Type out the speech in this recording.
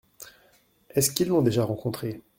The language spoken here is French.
Est-ce qu’ils l’ont déjà rencontré ?